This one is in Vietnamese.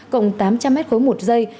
cộng tám trăm linh m ba một giây